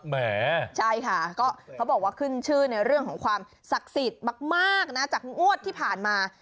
แหมใช่ค่ะก็เขาบอกว่าขึ้นชื่อในเรื่องของความศักดิ์สิทธิ์มากนะจากงวดที่ผ่านมา